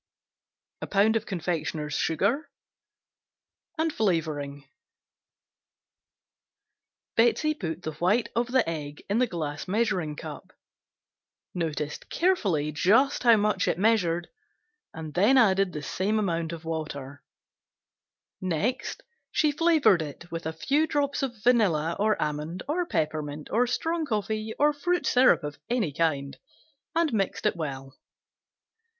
Sugar (confectioner's), 1 pound Flavoring. Betsey put the white of the egg in the glass measuring cup, noticed carefully just how much it measured and then added the same amount of water, next she flavored it with a few drops of vanilla or almond or peppermint or strong coffee or fruit syrup of any kind, and mixed well.